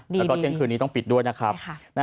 แล้วก็เที่ยงคืนนี้ต้องปิดด้วยนะครับ